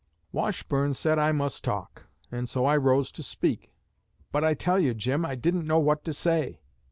Washburne said I must talk. And so I rose to speak; but I tell you, Jim, I didn't know what to say.